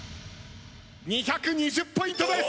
２２０ポイントです！